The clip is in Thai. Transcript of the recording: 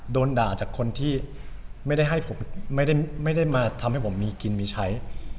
โดนด่าจากคนที่ไม่ได้มาทำให้ผมมีกินมีใช้